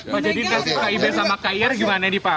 pak yedid kasih kib sama kir gimana nih pak